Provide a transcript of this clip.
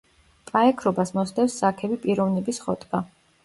პაექრობას მოსდევს საქები პიროვნების ხოტბა.